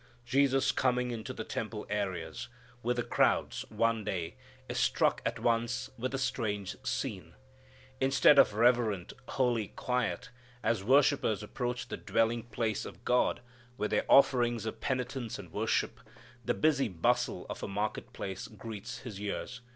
Jesus coming into the temple areas, with the crowds, one day, is struck at once with the strange scene. Instead of reverent, holy quiet, as worshippers approached the dwelling place of God, with their offerings of penitence and worship, the busy bustle of a market place greets His ears.